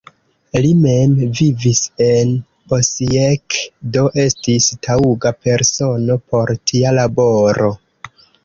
Li mem vivis en Osijek, do estis taŭga persono por tia laboro.